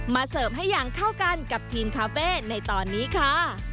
เสิร์ฟให้อย่างเข้ากันกับทีมคาเฟ่ในตอนนี้ค่ะ